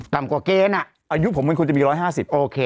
ต่ำกว่าเกณฑ์อายุผมมันคงจะมี๑๕๐โอเค